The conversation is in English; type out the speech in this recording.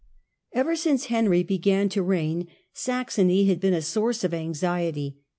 Ever since Henry began to reign Saxony had been a source of anxiety.